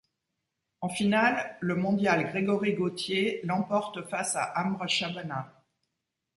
En finale, le mondial Grégory Gaultier l'emporte face à Amr Shabana.